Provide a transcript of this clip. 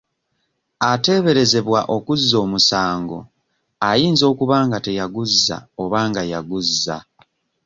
Ateeberezebwa okuzza omusango ayinza okuba nga teyaguzza oba nga yaguzza.